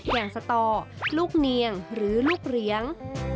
อย่างสตอลูกเนียงหรือลูกเลี้ยง